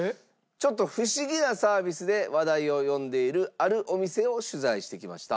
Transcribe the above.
ちょっと不思議なサービスで話題を呼んでいるあるお店を取材してきました。